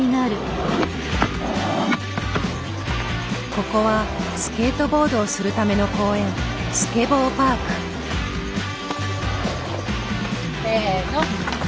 ここはスケートボードをするための公園せの！